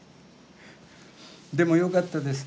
でもよかったです。